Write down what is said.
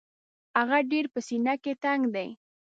هغه ډېر په سینه کې تنګ دی.